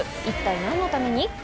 一体何のために？